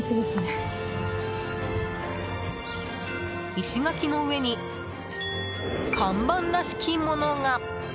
石垣の上に看板らしきものが。